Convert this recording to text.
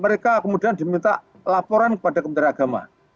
mereka kemudian diminta laporan kepada kementerian agama